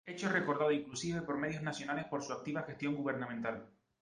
Hecho recordado inclusive por medios Nacionales por su activa gestión gubernamental.